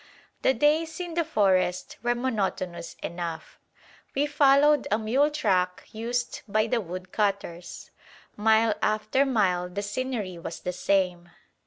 The days in the forest were monotonous enough. We followed a mule track used by the woodcutters. Mile after mile the scenery was the same.